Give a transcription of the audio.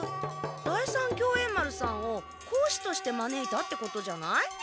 第三協栄丸さんを講師としてまねいたってことじゃない？